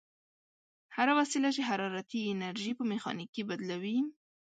هره وسیله چې حرارتي انرژي په میخانیکي بدلوي.